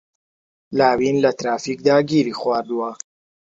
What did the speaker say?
لاوین لە ترافیکدا گیری خواردووە.